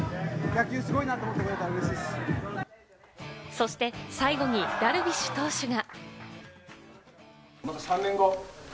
そして、最後にダルビッシュ投手が。